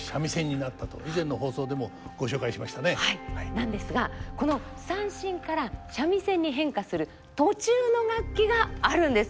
なんですがこの三線から三味線に変化する途中の楽器があるんです。